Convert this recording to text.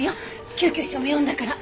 救急車も呼んだから。